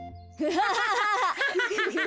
ハハハハ。